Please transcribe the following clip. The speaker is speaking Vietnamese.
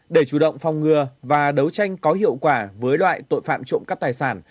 để chủ động phòng ngừa và đấu tranh có hiệu quả với loại tội phạm trộm cắp tài sản